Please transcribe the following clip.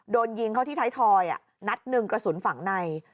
โดนยิงเข้าที่ไทยทอยนัดหนึ่งกระสุนฝั่งใน